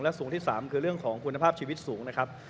สูงที่๓คือเรื่องของคุณภาพชีวิตสูงนะครับ